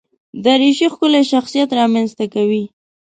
دریشي ښکلی شخصیت رامنځته کوي.